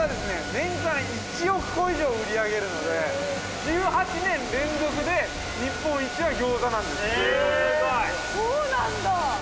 年間１億個以上売り上げるので１８年連続で日本一はギョーザなんですねそうなんだ